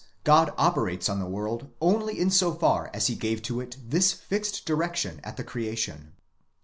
God Operates on the world only in so far as he gave to it this fixed direction at the creation.